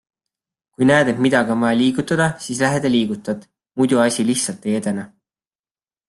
Kui näed, et midagi on vaja liigutada, siis lähed ja liigutad, muidu asi lihtsalt ei edene.